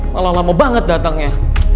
malah lama banget datangnya